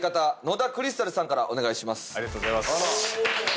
野田さんありがとうございます！